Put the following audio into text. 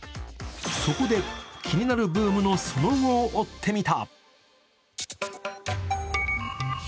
そこで気になるブームのその後を追ってみた。